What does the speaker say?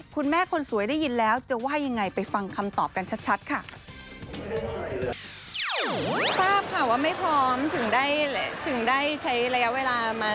ปัจจุบันนี้ก็จะ๒ปีแล้วนะคะ